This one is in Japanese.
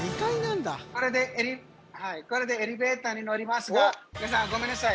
はいこれでエレベーターに乗りますが皆さんごめんなさい